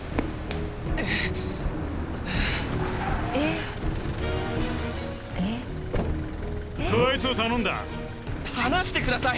ああっこいつを頼んだ離してください！